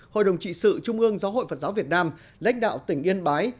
hội đồng trị sự trung ương giáo hội phật giáo việt nam lãnh đạo tỉnh yên bái